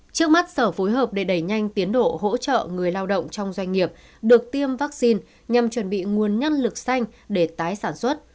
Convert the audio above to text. trước mắt sở phối hợp để đẩy nhanh tiến độ hỗ trợ người lao động trong doanh nghiệp được tiêm vaccine nhằm chuẩn bị nguồn nhân lực xanh để tái sản xuất